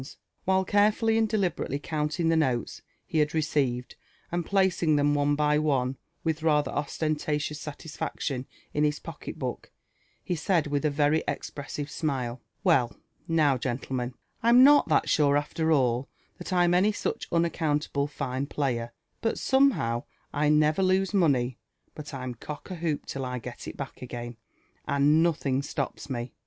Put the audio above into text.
While carefully and deliberately counting the notes he had receiv ed, and placing them one by one with rather ostentatious satisfaction in his pocket book, ho said with a very expressive smile, •'Well now, gentlemen, Fm not that sure, after all, (hat I'm any such unaccountable fine player ; but somehow I never lose money but I'm cock a hoop till I get it back again»and nothing stops me.